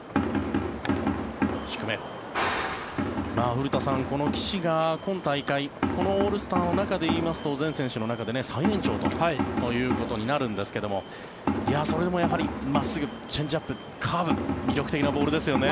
古田さん、この岸が今大会このオールスターの中でいいますと全選手の中で最年長ということになるんですがそれでも、やはり真っすぐチェンジアップ、カーブ魅力的なボールですよね。